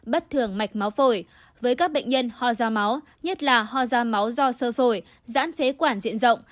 bất thường mạch máu phổi với các bệnh nhân ho da máu nhất là ho da máu do sơ phổi giãn phế quản diện rộng